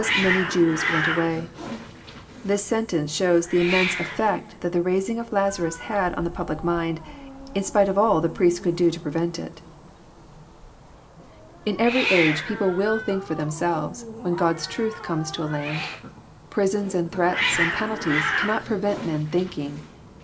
many..,Jews went away,] This sentence shows the Immense efl'ect that the raising of Lazarus had on the public mind, in spite of all the priests could do to prevent it. In every JOHN, CHAP. XII. 321 age people will think for themselves, when God*s truth comes into a land. Prisons and threats and penalties cannot prevent men thinking.